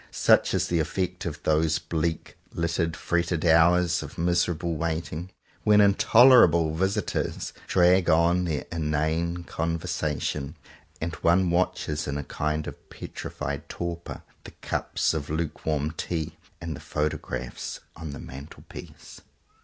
Such is the effect of those bleak, littered, fretted hours of miserable waiting, when intolerable visitors drag on their inane "con versation," and one watches in a kind of petrified torpor the cups of lukewarm tea and the photographs on the mantelpiece.